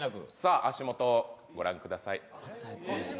足元、ご覧ください。